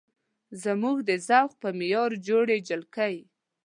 زموږ د ذوق په معیار جوړې جلکۍ